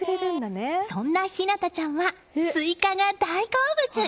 そんな日凪多ちゃんはスイカが大好物！